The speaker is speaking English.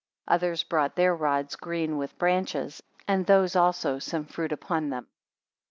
Others brought their rods green with branches, and those also some fruit upon them.